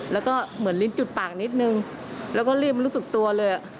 แล้วก็เหมือนลิ้นจุดปากนิดนึงแล้วก็รีบรู้สึกตัวเลย